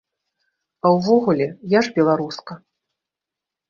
А ўвогуле, я ж беларуска!